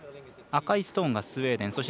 赤いストーンがスウェーデン。